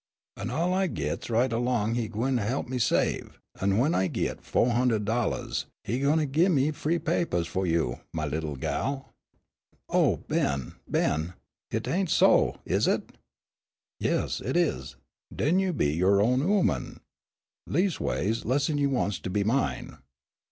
"An' all I gits right along he gwine he'p me save, an' when I git fo' hund'ed dollahs he gwine gin me de free papahs fu' you, my little gal." "Oh, Ben, Ben! Hit ain' so, is it?" "Yes, hit is. Den you'll be you own ooman leas'ways less'n you wants to be mine."